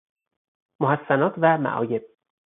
محسنات و معایب